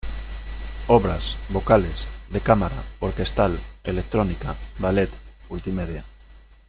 Obras: vocales, de cámara, orquestal, electrónica, ballet, multimedia.